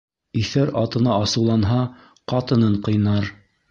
Иҫәр атына асыуланһа, ҡатынын ҡыйнар.